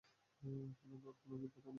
কেননা, ওর কোন অভিজ্ঞতা নেই।